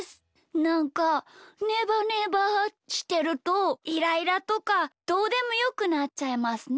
なんかねばねばしてるとイライラとかどうでもよくなっちゃいますね。